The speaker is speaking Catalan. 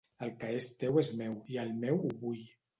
El que és teu és meu i el meu ho vull.